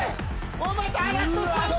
おばたラストスパート！